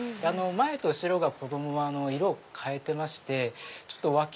前と後ろが子供は色を変えてまして。